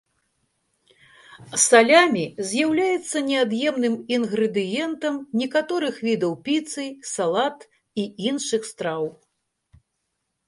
Салямі з'яўляецца неад'емным інгрэдыентам некаторых відаў піцы, салат і іншых страў.